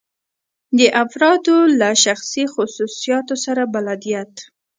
د افرادو له شخصي خصوصیاتو سره بلدیت.